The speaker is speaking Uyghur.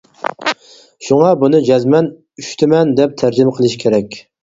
شۇڭا، بۇنى جەزمەن «ئۈچ تۈمەن» دەپ تەرجىمە قىلىش كېرەك.